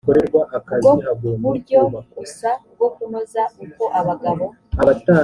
bwo buryo gusa bwo kunoza uko abagabo